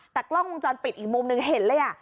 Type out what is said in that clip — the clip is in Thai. แต่กล้องวงจรปิดอีกมุมหนึ่งเห็นเลย